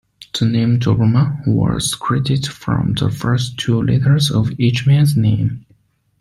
The name Dobama was created from the first two letters of each man's name.